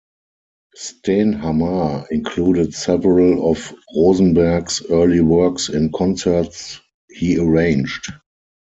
Stenhammar included several of Rosenberg's early works in concerts he arranged.